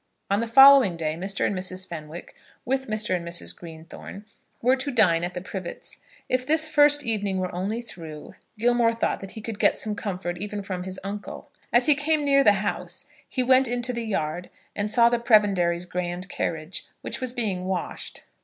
On the following day Mr. and Mrs. Fenwick, with Mr. and Mrs. Greenthorne, were to dine at the Privets. If this first evening were only through, Gilmore thought that he could get some comfort, even from his uncle. As he came near the house, he went into the yard, and saw the Prebendary's grand carriage, which was being washed.